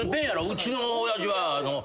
うちの親父は。